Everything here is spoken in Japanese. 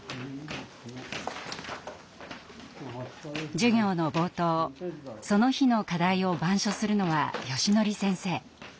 授業の冒頭その日の課題を板書するのはよしのり先生。